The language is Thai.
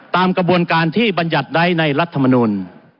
ตามกระบวนการที่บรรยัติไว้ในรัฐมนุน